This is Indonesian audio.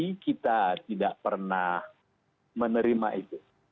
bukti cctv kita tidak pernah menerima itu